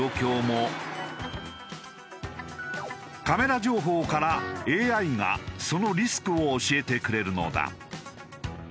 カメラ情報からＡＩがそのリスクを教えてくれるのだ。